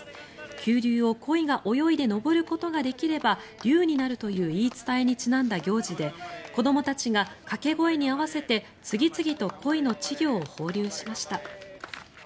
急流をコイが泳いで登ることができれば竜になるという言い伝えにちなんだ行事で子どもたちが掛け声に合わせて次々とコイの稚魚を放流しました。